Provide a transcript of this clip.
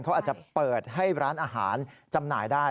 เขาอาจจะเปิดให้ร้านอาหารจำหน่ายได้